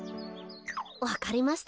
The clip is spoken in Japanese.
わかりました。